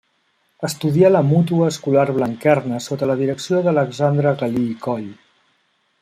Estudià a la Mútua Escolar Blanquerna sota la direcció d'Alexandre Galí i Coll.